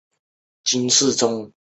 指令集的分类